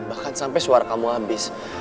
bahkan sampai suara kamu habis